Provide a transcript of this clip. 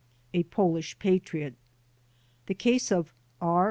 A Polish Patriot The case of R.